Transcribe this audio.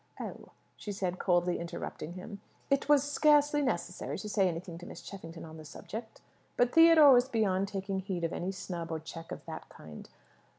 "Oh," she said, coldly interrupting him; "it was scarcely necessary to say anything to Miss Cheffington on the subject." But Theodore was beyond taking heed of any snub or check of that kind.